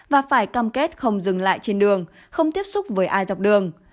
và phải cam kết không dừng lại trên đường không tiếp xúc với ai dọc đường